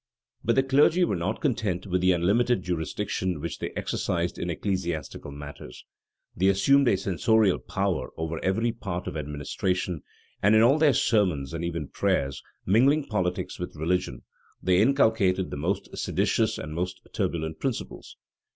But the clergy were not content with the unlimited jurisdiction which they exercised in ecclesiastical matters: they assumed a censorial power over every part of administration; and, in all their sermons, and even prayers, mingling politics with religion, they inculcated the most seditious and most turbulent principles.